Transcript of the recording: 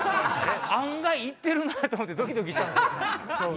案外行ってると思ってドキドキしたんですよ。